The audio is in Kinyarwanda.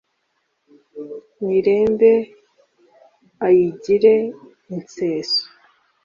nirembe ayigire insêso